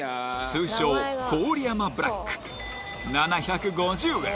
通称郡山ブラック７５０円